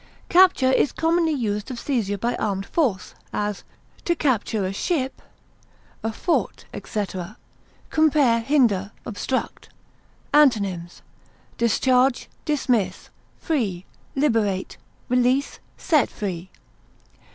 Capture is commonly used of seizure by armed force; as, to capture a ship, a fort, etc. Compare HINDER; OBSTRUCT. Antonyms: discharge, dismiss, free, liberate, release, set free.